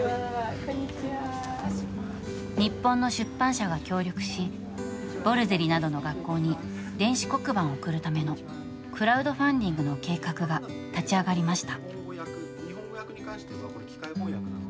日本の出版社が協力しボルゼリなどの学校に電子黒板を贈るためのクラウドファンディングの計画が立ち上がりました。